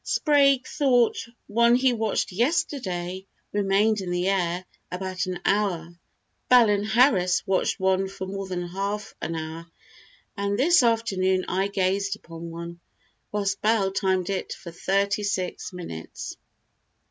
Sprague thought one he watched yesterday remained in the air about an hour. Bell and Harris watched one for more than half an hour, and this afternoon I gazed upon one, whilst Bell timed it, for thirty six minutes."